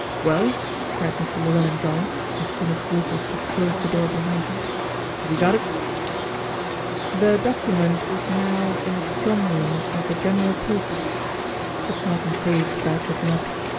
"Well?" cried Mr. Llewellyn John, as soon as Walters had closed the door behind him. "Have you got it?" "The document is now in a strong room at the General Post Office," said Malcolm Sage without looking up.